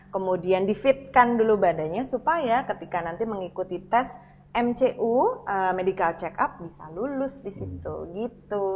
kemudian di fitkan dulu badannya supaya ketika nanti mengikuti tes mcu bisa lulus di situ gitu